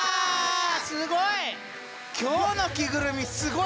すごい！